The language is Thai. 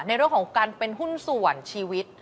ในเรื่องของการเป็นหุ้นส่วนชีวิต